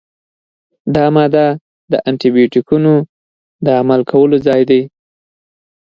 دا ماده د انټي بیوټیکونو د عمل کولو ځای دی.